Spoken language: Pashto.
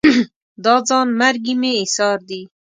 دا ځان مرګي مې ایسار دي